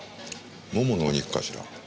もものお肉かしら。